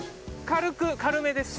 軽く軽めです。